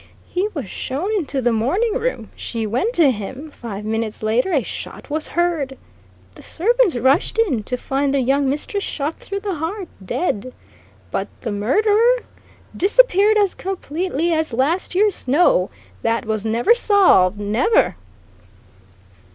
He was shown into the morning room she went to him. Five minutes later a shot was heard. The servants rushed in to find their young mistress shot through the heart, dead. But the murderer? Disappeared as completely as last year's snow! That was never solved, never!"